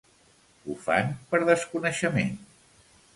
Ho fan per desconeixement.